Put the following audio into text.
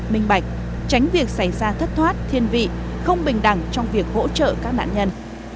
minh bạch tránh việc xảy ra thất thoát thiên vị không bình đẳng trong việc hỗ trợ các nạn nhân